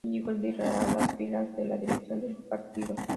Y llegó a liderar las filas de la dirección del partido.